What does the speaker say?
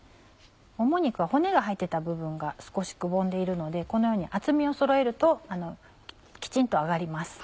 もも肉は骨が入ってた部分が少しくぼんでいるのでこのように厚みをそろえるときちんと揚がります。